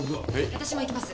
私も行きます。